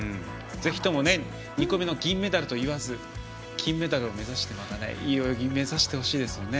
ぜひとも２個目の銀メダルといわず金メダルを目指していい泳ぎを目指してほしいですね。